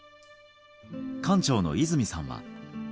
館長の泉さんは。